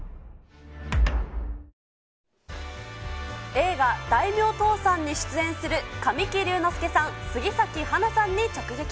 映画、大名倒産に出演する神木隆之介さん、杉咲花さんに直撃。